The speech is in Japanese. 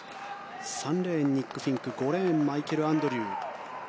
３レーンにニック・フィンク５レーンマイケル・アンドリュー。